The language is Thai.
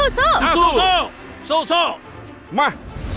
สู้มา